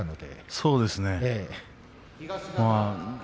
そうですね。